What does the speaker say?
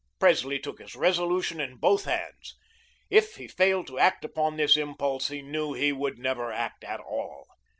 Presley took his resolution in both hands. If he failed to act upon this impulse, he knew he would never act at all.